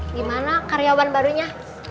gimana karyawan barunya